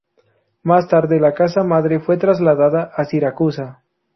Más tarde la casa madre fue trasladada a Siracusa.